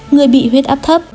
người bị huyết áp thấp